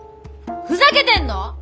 ふざけてんの？